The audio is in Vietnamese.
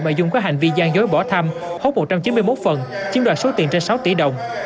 nội dung có hành vi gian dối bỏ thăm hốt một trăm chín mươi một phần chiếm đoạt số tiền trên sáu tỷ đồng